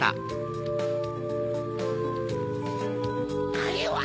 あれは。